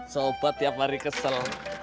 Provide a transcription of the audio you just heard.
sobat tiap hari kesel